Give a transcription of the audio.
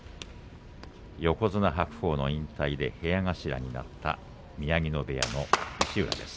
横綱白鵬の引退で部屋頭になった宮城野部屋の石浦です。